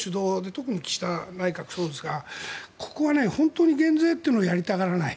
特に岸田内閣がそうですがここは本当に減税というのをやりたがらない。